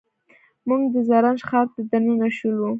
موږ د زرنج ښار ته دننه شولو.